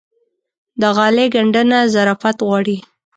د غالۍ ګنډنه ظرافت غواړي.